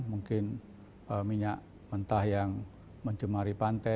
mungkin minyak mentah yang mencemari pantai